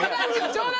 冗談！